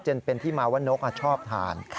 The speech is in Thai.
จนเป็นที่มาว่านกชอบทาน